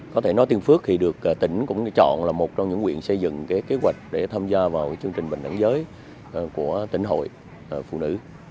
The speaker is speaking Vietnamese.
có thể nói tiên phước thì được tỉnh cũng chọn là một trong những quyện xây dựng kế hoạch để tham gia vào chương trình bình đẳng giới của tỉnh hội phụ nữ